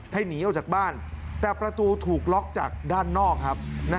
หนีออกจากบ้านแต่ประตูถูกล็อกจากด้านนอกครับ